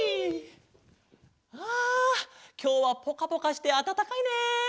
あきょうはぽかぽかしてあたたかいね。